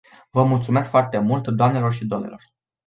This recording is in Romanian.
Vă mulțumesc foarte mult, doamnelor și domnilor.